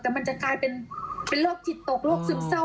แต่มันจะกลายเป็นโรคจิตตกโรคซึมเศร้า